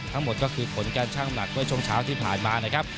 ทั้งหมดก็คือผลการชั่งหนักเมื่อช่วงเช้าที่ผ่านมานะครับ